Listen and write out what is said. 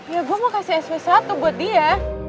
ya gue mau kasih sp satu buat dia